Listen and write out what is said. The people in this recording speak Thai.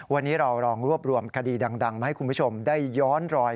วันนี้เราลองรวบรวมคดีดังมาให้คุณผู้ชมได้ย้อนรอย